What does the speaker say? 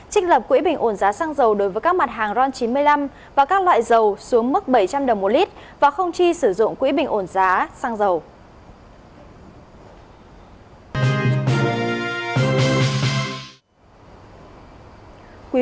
trích lập quỹ bình ổn giá xăng dầu đối với các mặt hàng ron chín mươi năm và các loại dầu xuống mức bảy trăm linh đồng một lít và không chi sử dụng quỹ bình ổn giá xăng dầu